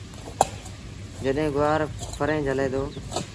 جڏهيݩ گُوآر ڦريٚݩ جھلي دو۔